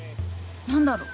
何だろう？